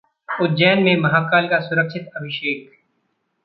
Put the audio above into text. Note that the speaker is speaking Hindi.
उज्जैन में महाकाल का सुरक्षित अभिषेक!